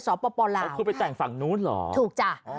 ปลาคุณไปแต่งฝั่งนู้นเหรอถูกจ้ะ